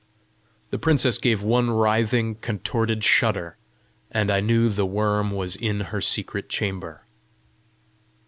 The princess gave one writhing, contorted shudder, and I knew the worm was in her secret chamber.